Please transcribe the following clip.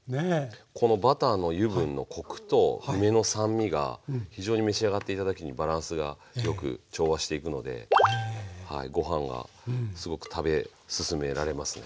このバターの油分のコクと梅の酸味が非常に召し上がって頂く時にバランスが良く調和していくのでご飯がすごく食べ進められますね。